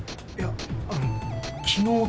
いやあの。